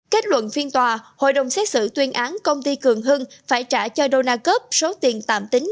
kết luận phiên tòa hội đồng xét xử tuyên án công ty cường hưng phải trả cho đô na cóc số tiền tạm tính